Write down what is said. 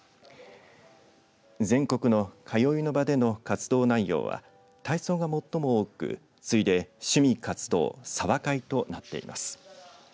全国の通いの場での活動内容は体操が最も多く次いで趣味活動、茶話会となっています。